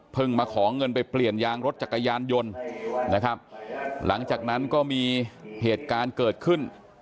มาขอเงินไปเปลี่ยนยางรถจักรยานยนต์นะครับหลังจากนั้นก็มีเหตุการณ์เกิดขึ้น